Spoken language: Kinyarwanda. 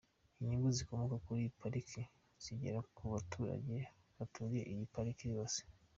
Inyungu zikomoka kuri pariki zigera ku baturage baturiye iyi pariki bose.